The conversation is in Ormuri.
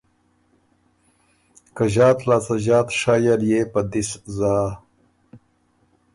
که ݫات لاسته ݫات شئ ال يې په دِس زا۔